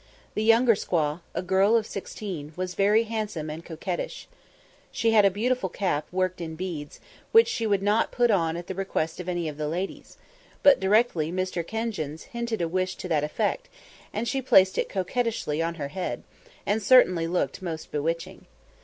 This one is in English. The younger squaw, a girl of sixteen, was very handsome and coquettish. She had a beautiful cap, worked in beads, which she would not put on at the request of any of the ladies; but directly Mr. Kenjins hinted a wish to that effect, she placed it coquettishly on her head, and certainly looked most bewitching.